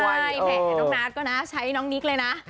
ใช่แหมน้องนาทก็นะใช้น้องนิกเลยนะ